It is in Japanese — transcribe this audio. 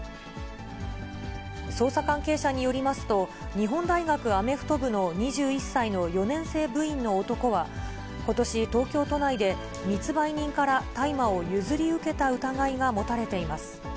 捜査関係者によりますと、日本大学アメフト部の２１歳の４年生部員の男は、ことし、東京都内で密売人から大麻を譲り受けた疑いが持たれています。